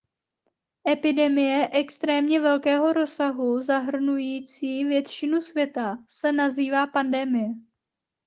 Epidemie extrémně velkého rozsahu zahrnující většinu světa se nazývá pandemie.